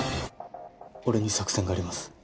俺に作戦があります。